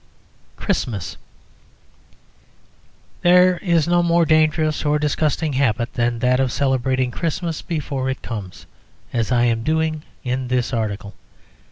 CHRISTMAS There is no more dangerous or disgusting habit than that of celebrating Christmas before it comes, as I am doing in this article.